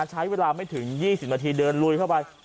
ใช้เวลาไม่ถึงยี่สิบนาทีเดินรุ่นเข้าไป